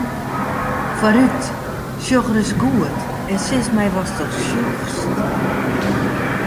Foarút, sjoch ris goed en sis my watsto sjochst.